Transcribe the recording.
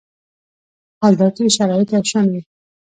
حال دا چې شرایط یو شان وي.